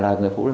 mày đừng tìm mẹ